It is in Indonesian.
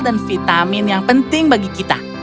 dan vitamin yang penting bagi kita